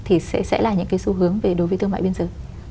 thì sẽ là những cái xu hướng về đối với thương mại biên giới